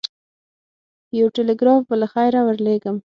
یو ټلګراف به له خیره ورلېږم.